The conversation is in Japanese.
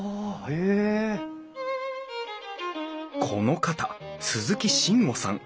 この方鈴木進悟さん。